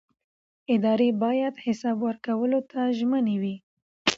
ادارې باید حساب ورکولو ته ژمنې وي